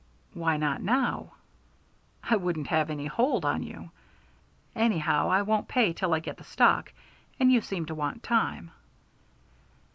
"Why not now?" "I wouldn't have any hold on you. Anyhow, I won't pay till I get the stock, and you seem to want time."